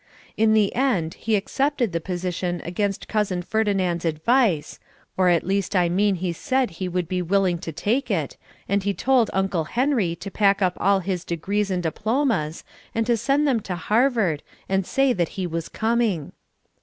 In the end he accepted the position against Cousin Ferdinand's advice, or at least I mean he said that he would be willing to take it and he told Uncle Henry to pack up all his degrees and diplomas and to send them to Harvard and say that he was coming.